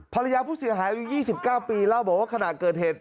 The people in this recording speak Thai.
ภรรยาผู้เสียหายอายุ๒๙ปีเล่าบอกว่าขณะเกิดเหตุ